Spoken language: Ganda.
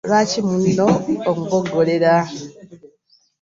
Lwaki munno omuboggolera?